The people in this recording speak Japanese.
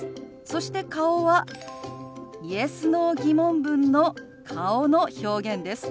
そして顔はＹｅｓ／Ｎｏ−疑問文の顔の表現です。